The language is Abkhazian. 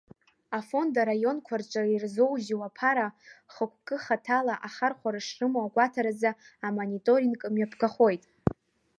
Афонд араионқәа рҿы ирзоужьу аԥара хықәкыхаҭала ахархәара шрымоу агәаҭаразы амониторинг мҩаԥгахоит.